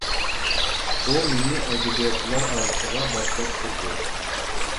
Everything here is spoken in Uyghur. ئۇ مېنى ئەدەبىياتچىلار ئارىسىغا باشلاپ كىردى.